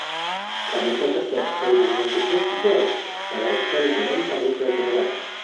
La muchacha se ha casado con un hombre bien situado para estar económicamente acomodada.